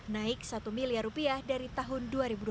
naik satu miliar rupiah dari tahun dua ribu dua puluh